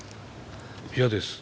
嫌です。